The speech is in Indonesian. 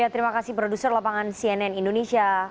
terima kasih produser lapangan cnn indonesia